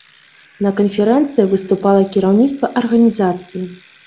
На канферэнцыі выступала кіраўніцтва арганізацыі.